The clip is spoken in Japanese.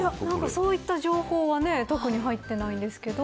そういった情報は特に入っていないんですけど。